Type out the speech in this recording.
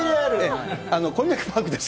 こんにゃくパークです。